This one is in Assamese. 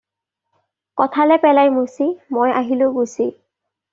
কঁঠালে পেলাই মুচি, মই আহিলো গুচি।